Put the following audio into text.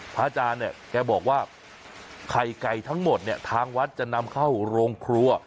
อาจารย์เนี่ยแกบอกว่าไข่ไก่ทั้งหมดเนี่ยทางวัดจะนำเข้าโรงครัว